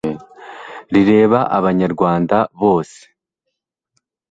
rireba abanyarwanda bose